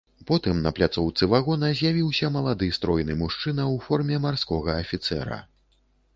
Потым на пляцоўцы вагона з'явіўся малады стройны мужчына ў форме марскога афіцэра.